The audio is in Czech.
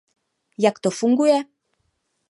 Jak to funguje?